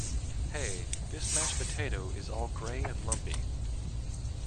Hey! This mashed potato is all grey and lumpy!